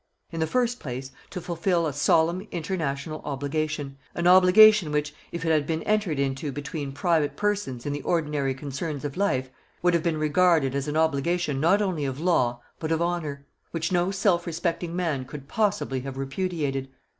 In the first place to fulfil a solemn international obligation, an obligation which, if it had been entered into between private persons in the ordinary concerns of life, would have been regarded as an obligation not only of law but of honour, which no self respecting man could possibly have repudiated.